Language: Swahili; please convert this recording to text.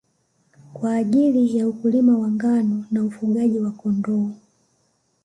kwa ajili ya ukulima wa ngano na ufugaji wa Kondoo